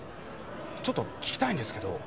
ちょっと聞きたいんですけど。